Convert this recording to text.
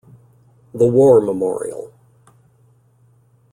The war memorial.